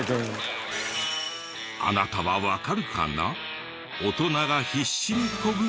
あなたはわかるかな？